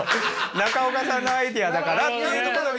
中岡さんのアイデアだからっていうところでやれば。